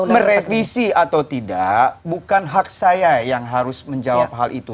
merevisi atau tidak bukan hak saya yang harus menjawab hal itu